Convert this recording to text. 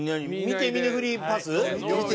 「見て見ぬふりパス」。